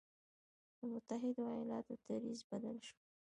د متحدو ایالتونو دریځ بدل شو.